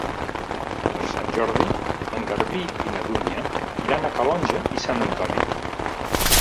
Per Sant Jordi en Garbí i na Dúnia iran a Calonge i Sant Antoni.